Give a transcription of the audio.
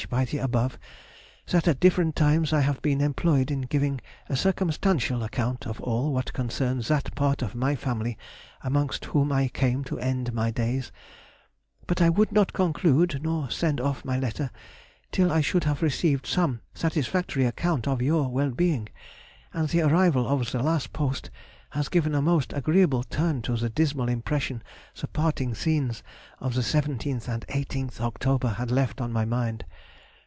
by the above, that at different times I have been employed in giving a circumstantial account of all what concerns that part of my family amongst whom I came to end my days; but I would not conclude, nor send off my letter, till I should have received some satisfactory account of your well being, and the arrival of the last post has given a most agreeable turn to the dismal impression the parting scenes of the 17th and 18th October had left on my mind.